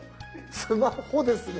スマホですね。